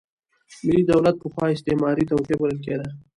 ملي دولت پخوا استعماري توطیه بلل کېده.